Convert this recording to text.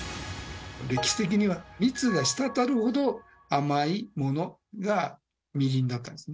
歴史的には蜜が滴るほど甘いものがみりんだったんですね。